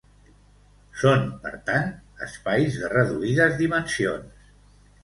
Són per tant espais de reduïdes dimensions.